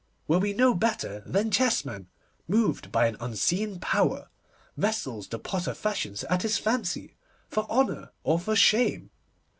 Were we no better than chessmen, moved by an unseen power, vessels the potter fashions at his fancy, for honour or for shame?